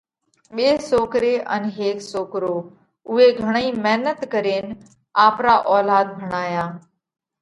ٻي سوڪري ان هيڪ سوڪرو۔ اُوئي گھڻئِي مينت ڪرينَ آپرا اولاڌ ڀڻايا۔